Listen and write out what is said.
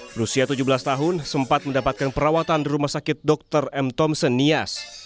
berusia tujuh belas tahun sempat mendapatkan perawatan di rumah sakit dr m thompson nias